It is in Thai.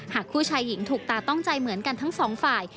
หากคู่ชายหญิงถูกตาต้องใจเหมือนกันทั้งสองฝ่าย